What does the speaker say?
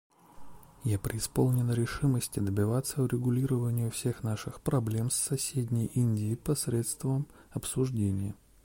Я преисполнена решимости добиваться урегулированию всех наших проблем с соседней Индии посредством обсуждения.